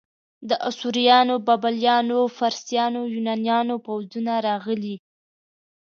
د اسوریانو، بابلیانو، فارسیانو، یونانیانو پوځونه راغلي.